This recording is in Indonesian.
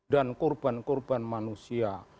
dan korban korban manusia